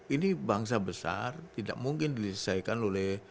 ini bangsa besar tidak mungkin diselesaikan oleh